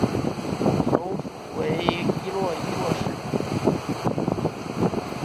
首府为伊洛伊洛市。